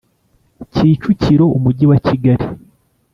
Kicukiro Umujyi wa Kigali